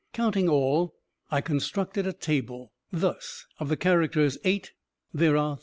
Counting all, I constructed a table thus: Of the characters 8 there are 33.